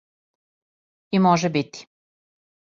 И може бити.